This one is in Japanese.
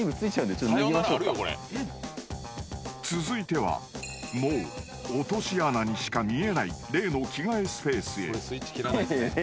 ［続いてはもう落とし穴にしか見えない例の着替えスペースへ］